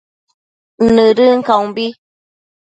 Nëdën caumbi